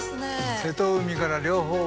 瀬戸海から両方が。